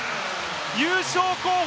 優勝候補